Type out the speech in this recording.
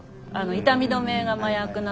痛み止めが麻薬なので。